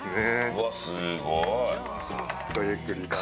うわっすごい！